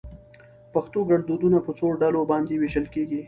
پښتو ګړدودونه په څو ډلو باندي ويشل کېږي؟